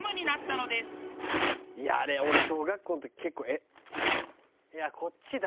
いやあれ俺小学校の時結構。